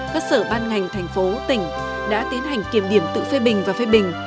các sở ban ngành thành phố tỉnh đã tiến hành kiểm điểm tự phê bình và phê bình